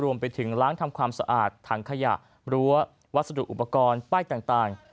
รวมไปถึงล้างทำความสะอาดถังขยะรั้ววัสดุอุปกรณ์ป้ายต่าง